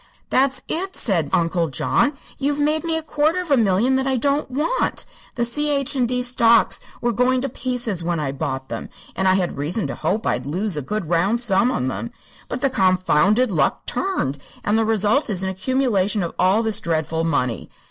"That's it!" said Uncle John. "You've made me a quarter of a million that I don't want. The C.H. & D. stocks were going to pieces when I bought them, and I had reason to hope I'd lose a good round sum on them. But the confounded luck turned, and the result is an accumulation of all this dreadful money.